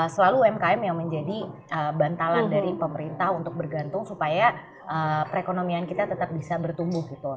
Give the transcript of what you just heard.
selalu umkm yang menjadi bantalan dari pemerintah untuk bergantung supaya perekonomian kita tetap bisa bertumbuh gitu